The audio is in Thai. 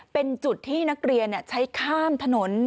เป็นจุดที่นักเรียนใช้ข้ามถนน